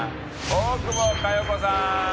大久保佳代子さん。